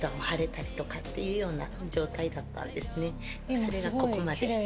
それがここまで。